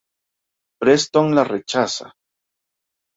Preston la rechaza.